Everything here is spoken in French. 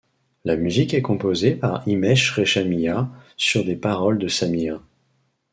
La musique est composée par Himesh Reshammiya sur des paroles de Sameer.